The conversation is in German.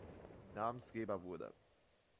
Namensgeber wurde.